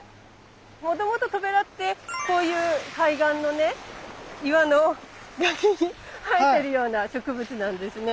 もともとトベラってこういう海岸のね岩の崖に生えてるような植物なんですね。